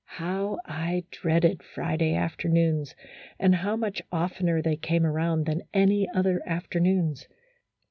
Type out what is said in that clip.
How I dreaded Friday afternoons ! And how much oftener they came round than any other after noons